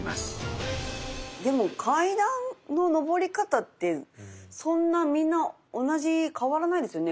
でも階段の上り方ってそんなみんな変わらないですよね？